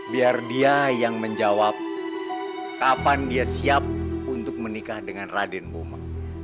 biar dia yang menjawab kapan dia siap untuk menikah dengan raden boma